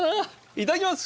いただきます。